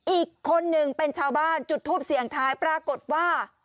อีกคนหนึ่งเป็นชาวบ้านจุดทูปเสียงท้ายปรากฏว่า